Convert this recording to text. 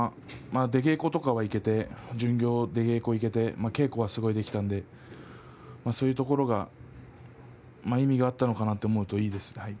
出稽古に行けて巡業行けて出稽古行って稽古ができたのでそういうところが意味があったのかなと思うといいです。